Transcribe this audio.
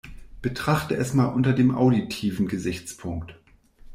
Betrachte es mal unter dem auditiven Gesichtspunkt.